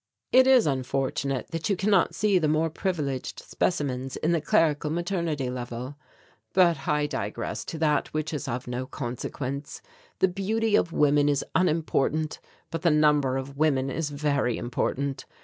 It is unfortunate that you cannot see the more privileged specimens in the clerical maternity level. "But I digress to that which is of no consequence. The beauty of women is unimportant but the number of women is very important.